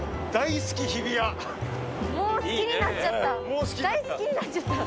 もう好きになっちゃった。